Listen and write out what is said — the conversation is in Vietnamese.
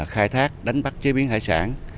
khai thác đánh bắt chế biến hải sản